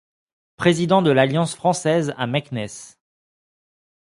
Président de l'Alliance française à Meknès.